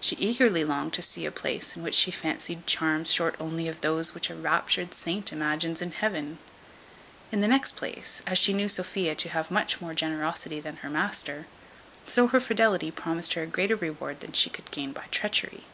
She eagerly longed to see a place in which she fancied charms short only of those which a raptured saint imagines in heaven. In the next place, as she knew Sophia to have much more generosity than her master, so her fidelity promised her a greater reward than she could gain by treachery.